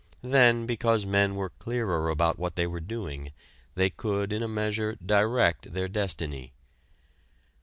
Then because men were clearer about what they were doing, they could in a measure direct their destiny.